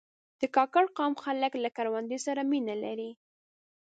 د کاکړ قوم خلک له کروندې سره مینه لري.